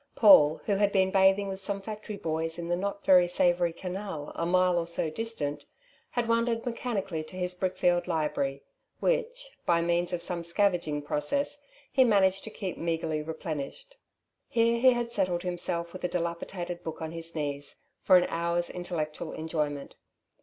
Paul, who had been bathing with some factory boys in the not very savoury canal a mile or so distant, had wandered mechanically to his brickfield library, which, by means of some scavenging process, he managed to keep meagrely replenished. Here he had settled himself with a dilapidated book on his knees for an hour's intellectual enjoyment.